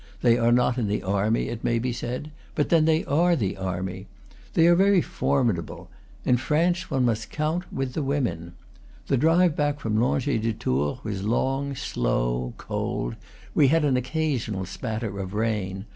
They are not in the army, it may be said; but then they are the army. They are very formidable. In France one must count with the women. The drive back from Langeais to Tours was long, slow, cold; we had an occasional spatter of rain.